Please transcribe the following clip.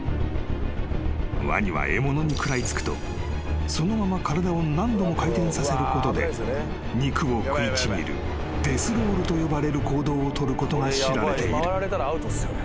［ワニは獲物に食らい付くとそのまま体を何度も回転させることで肉を食いちぎるデスロールと呼ばれる行動を取ることが知られている］